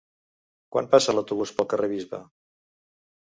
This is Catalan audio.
Quan passa l'autobús pel carrer Bisbe?